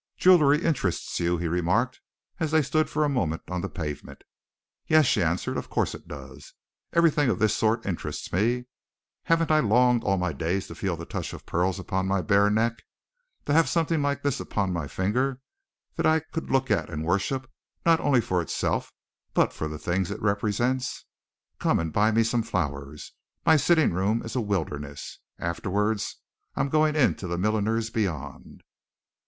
"Jewelry interests you?" he remarked, as they stood for a moment on the pavement. "Yes!" she answered. "Of course it does. Everything of this sort interests me. Haven't I longed all my days to feel the touch of pearls upon my bare neck, to have something like this upon my finger that I could look at and worship, not only for itself but for the things it represents? Come and buy me some flowers. My sitting room is a wilderness. Afterwards, I am going into the milliner's beyond."